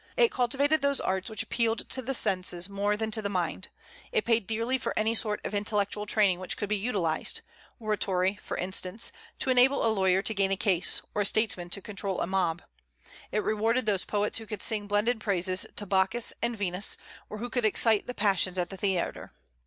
It cultivated those arts which appealed to the senses more than to the mind; it paid dearly for any sort of intellectual training which could be utilized, oratory, for instance, to enable a lawyer to gain a case, or a statesman to control a mob; it rewarded those poets who could sing blended praises to Bacchus and Venus, or who could excite the passions at the theatre.